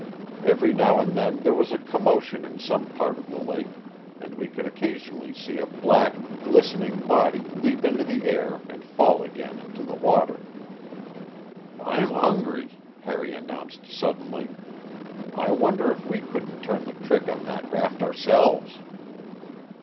Every now and then there was a commotion in some part of the lake, and we could occasionally see a black, glistening body leap into the air and fall again into the water. "I'm hungry," Harry announced suddenly. "I wonder if we couldn't turn the trick on that raft ourselves?"